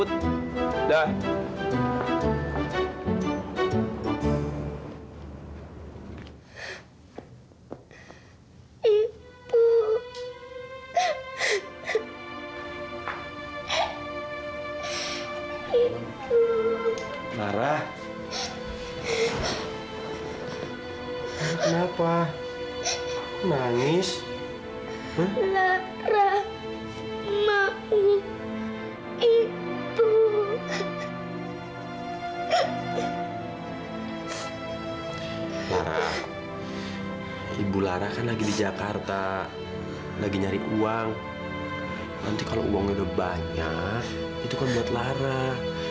teh lihat lara nggak teh